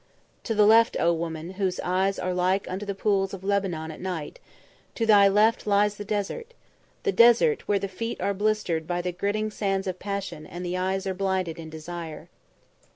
"To the left, O woman whose eyes are like unto the pools of Lebanon at night, to thy left, lies the desert. The desert, where the feet are blistered by the gritting sands of passion and the eyes are blinded in desire.